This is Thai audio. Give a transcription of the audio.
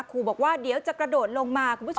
ครูบอกว่าเดี๋ยวจะกระโดดลงมาคุณผู้ชม